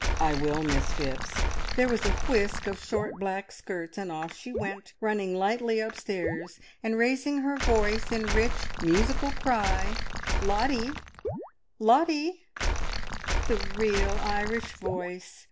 "I will, Miss Phipps." There was a whisk of short black skirts and off she went, running lightly upstairs, and raising her voice in rich, musical cry, "Lottie! Lottie!" "The real Irish voice!